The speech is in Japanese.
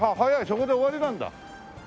そこで終わりなんだ。